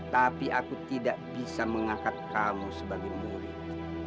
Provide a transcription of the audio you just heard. tapi aku tidak bisa mengangkat kamu sebagai murid